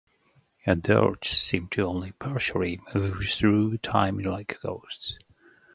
Adults seem to only partially move through time like ghosts.